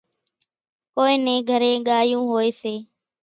ڪونئين نين گھرين ڳايوُن هوئيَ سي۔